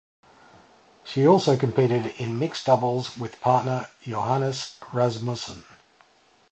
She also competed in mixed doubles with partner Jonas Rasmussen.